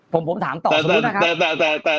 ผมถามต่อสมมุตินะครับ